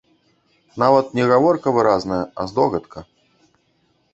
Нават не гаворка выразная, а здогадка.